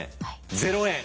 ０円。